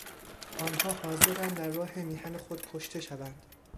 آنها حاضرند در راه میهن خود کشته شوند.